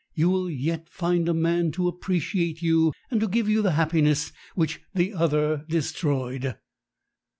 you will yet find a man to appreciate you and to give you the happiness which the other destroyed!"